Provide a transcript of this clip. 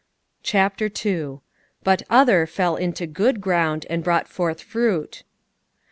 CHAPTER II. "But other fell into good ground, and brought forth fruit."